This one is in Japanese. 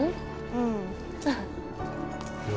うん。